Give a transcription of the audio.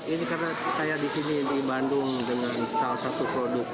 ini karena saya di sini di bandung dengan salah satu produk